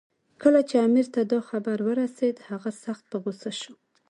کله چې امیر ته دا خبر ورسېد، هغه سخت په غوسه شو.